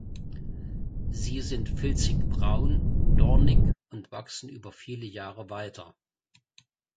Sie sind filzig braun, dornig und wachsen über viele Jahre weiter.